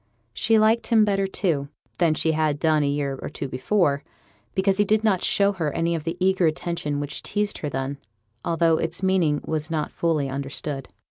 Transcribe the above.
She liked him better, too, than she had done a year or two before, because he did not show her any of the eager attention which teased her then, although its meaning was not fully understood.